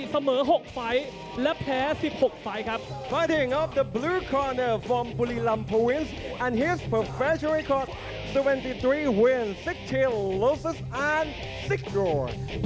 เสมอ๖ไฟล์และแพ้๑๖ไฟล์ครับ